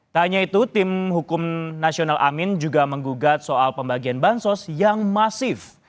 tak hanya itu tim hukum nasional amin juga menggugat soal pembagian bansos yang masif